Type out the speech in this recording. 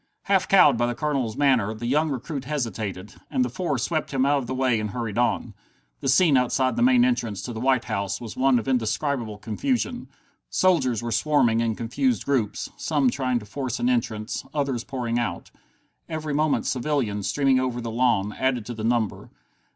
Half cowed by the Colonel's manner, the young recruit hesitated, and the four swept him out of the way and hurried on. The scene outside the main entrance to the White House was one of indescribable confusion. Soldiers were swarming in confused groups, some trying to force an entrance, others pouring out. Every moment civilians, streaming over the lawn, added to the number.